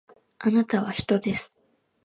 あなたは人です